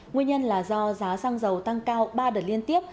nguyên nhân là do giá xăng dầu tăng cao ba đợt liên tiếp